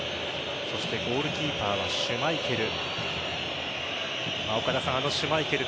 ゴールキーパーはシュマイケル。